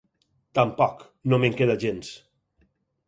Tampoc; no me'n queda gens.